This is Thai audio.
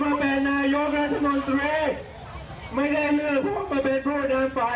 แต่จะเป็นว่าที่นายกวัฒนมนตรี